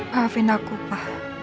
pa finanku pa